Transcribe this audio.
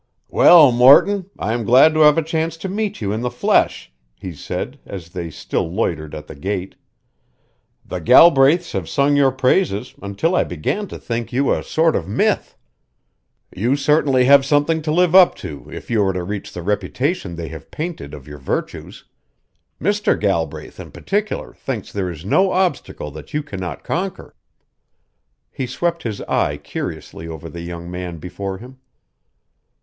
"Well, Morton, I am glad to have a chance to meet you in the flesh," he said, as they still loitered at the gate. "The Galbraiths have sung your praises until I began to think you a sort of myth. You certainly have something to live up to if you are to reach the reputation they have painted of your virtues. Mr. Galbraith, in particular, thinks there is no obstacle that you cannot conquer." He swept his eye curiously over the young man before him.